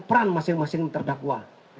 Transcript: peran masing masing terdakwa